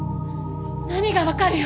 何が「わかる」よ。